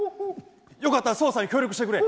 よかったら捜査に協力してくれ。